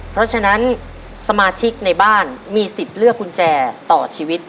เพราะฉะนั้นสมาชิกในบ้านมีสิทธิ์เลือกกุญแจต่อชีวิต